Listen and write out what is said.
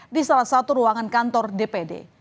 di salah satu ruangan kantor dpd